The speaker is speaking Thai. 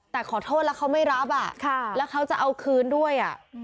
แต่ขอโทษแล้วเขาไม่รับแล้วเขาจะเอาคืนด้วย